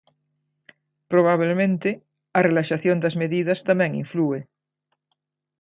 Probablemente a relaxación das medidas tamén inflúe...